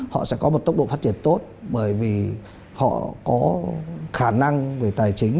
họ sẽ có một tốc độ phát triển tốt bởi vì họ có khả năng về tài chính